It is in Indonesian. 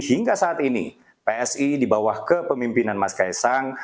hingga saat ini psi di bawah kepemimpinan mas kaisang